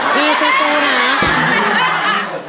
พี่สู้นะ